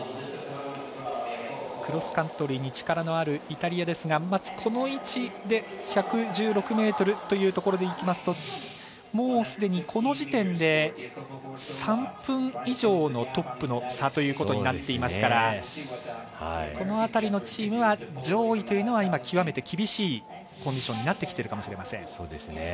クロスカントリーに力のあるイタリアですがまずこの位置で１１６ｍというところでいきますともうすでにこの時点で３分以上のトップの差ということになっていますからこの辺りのチーム上位というのは極めて厳しいというコンディションになってきているかもしれません。